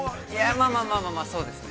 ◆まあまあまあ、そうですね。